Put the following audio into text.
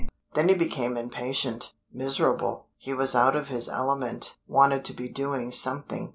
Then he became impatient miserable; he was out of his element wanted to be doing something.